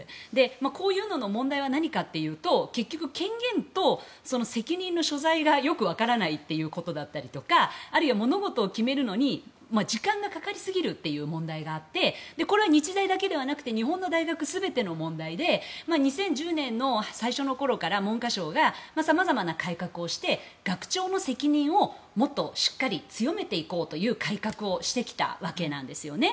こういうのの問題は何かというと結局、権限と責任の所在が、よく分からないということだったりあるいは物事を決めるのに時間がかかりすぎるという問題があってこれは日大だけではなくて日本の大学全ての問題で２０１０年の最初のころから文科省がさまざまな改革をして学長の責任をもっとしっかり強めていこうという改革をしてきたわけなんですね。